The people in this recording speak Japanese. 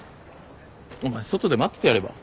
お前外で待っててやれば？